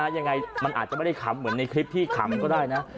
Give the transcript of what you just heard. ยังไงมันอาจจะไม่ได้ขำเหมือนในคลิปที่ขำก็ได้นะ